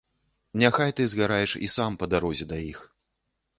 Няхай ты згараеш і сам па дарозе да іх.